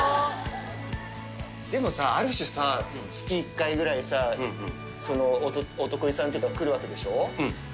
でもさ、ある種さ、月１回くらいさ、お得意さんというか、来るわけでしょ。